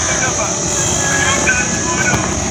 ټولنپوهنه د خلکو د ورته والي لاملونه لټوي.